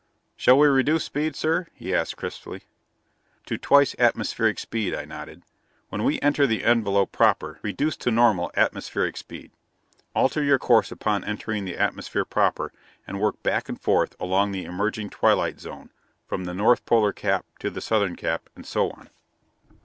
"Shall we reduce speed, sir?" he asked crisply. "To twice atmospheric speed," I nodded. "When we enter the envelope proper, reduce to normal atmospheric speed. Alter your course upon entering the atmosphere proper, and work back and forth along the emerging twilight zone, from the north polar cap to the southern cap, and so on."